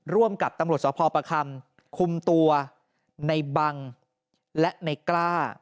ร่วมกับตำรวจสพประคำคุมตัวในบังและในกล้า